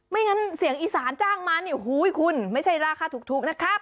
งั้นเสียงอีสานจ้างมาเนี่ยหูยคุณไม่ใช่ราคาถูกนะครับ